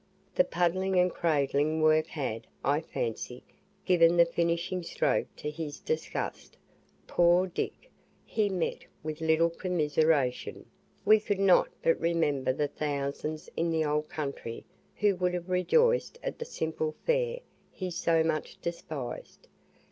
The puddling and cradling work had, I fancy, given the finishing stroke to his disgust. Poor Dick! he met with little commiseration: we could not but remember the thousands in the old country who would have rejoiced at the simple fare he so much despised.